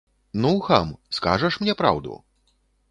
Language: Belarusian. Ну, хам, скажаш мне праўду?